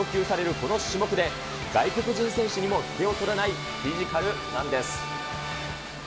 この種目で、外国人選手にも引けを取らないフィジカルなんです。